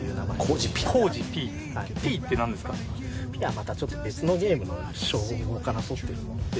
またちょっと別のゲームの称号からとってるもんで。